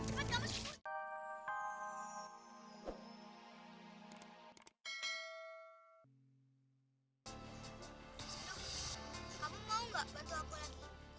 jenduk kamu mau gak bantu aku lagi